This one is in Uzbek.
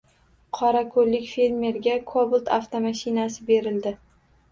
Qorako‘llik fermerga “Kobalt” avtomashinasi berildi